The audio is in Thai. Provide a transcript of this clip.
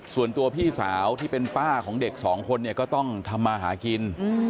ส่วนตัวพี่สาวที่เป็นป้าของเด็กสองคนเนี่ยก็ต้องทำมาหากิน